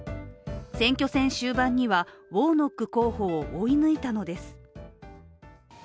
選挙戦終盤にはウォーノック候補を追い抜いたのです。